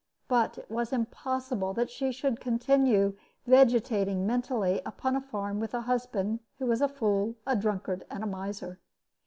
But it was impossible that she should continue vegetating mentally upon a farm with a husband who was a fool, a drunkard, and a miser.